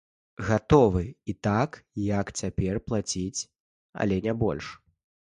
Гатовы і так, як цяпер, плаціць, але не больш.